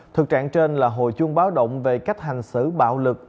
thực trạng trên là hồi chuông báo động về cách hành xử bạo lực